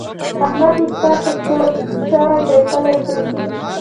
احمد اوس کار ته سور شوی دی؛ کله يې پرېږدي.